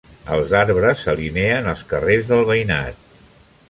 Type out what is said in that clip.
Els arbres s'alineen als carrers del veïnat.